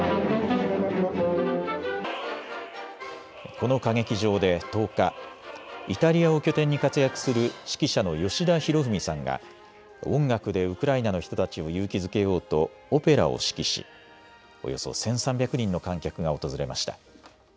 この歌劇場で１０日、イタリアを拠点に活躍する指揮者の吉田裕史さんが音楽でウクライナの人たちを勇気づけようとオペラを指揮しおよそ１３００人の観客が訪れました。